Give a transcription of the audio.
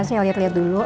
saya liat liat dulu